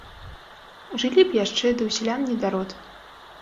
Жылі б яшчэ, ды ў сялян недарод.